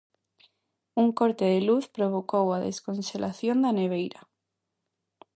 Un corte de luz provocou a desconxelación da neveira.